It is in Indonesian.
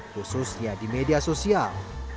khususnya di media sosial